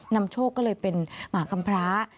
นำโชคก็เลยเป็นหมากำพร้า